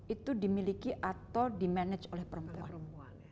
itu dimiliki atau dimanage oleh perempuan